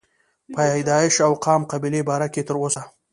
پيدائش او قام قبيلې باره کښې تر اوسه